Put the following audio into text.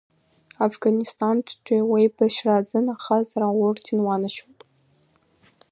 Афганисҭантәи уеибашьра азын ахаҵара аорден уанашьоуп.